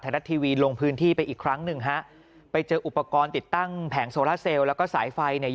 รัฐทีวีลงพื้นที่ไปอีกครั้งหนึ่งฮะไปเจออุปกรณ์ติดตั้งแผงโซล่าเซลลแล้วก็สายไฟเนี่ย